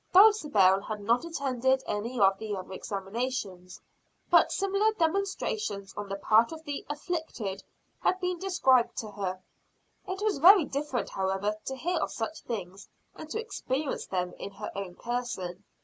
Dulcibel had not attended any of the other examinations, but similar demonstrations on the part of the "afflicted" had been described to her. It was very different, however, to hear of such things and to experience them in her own person.